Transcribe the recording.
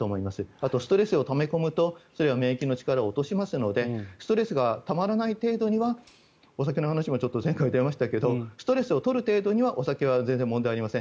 あと、ストレスをため込むとそれが免疫の力を落としますのでストレスがたまらない程度にはお酒の話も前回、出ましたがストレスを取る程度にはお酒は全然問題ありません。